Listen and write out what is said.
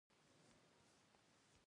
د اوړي موسم کي ننګرهار ډير ګرم وي